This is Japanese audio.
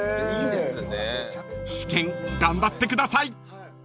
［試験頑張ってください］